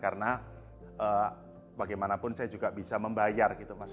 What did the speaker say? karena bagaimanapun saya juga bisa membayar gitu mas